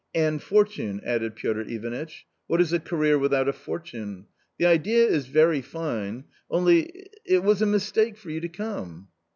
" And fortune ?" added Piotr Ivanitch ;" what is a career without a fortune ? The idea is very fine ; only — it was a mistake for you to come."